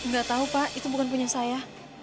nggak tahu pak itu bukan punya saya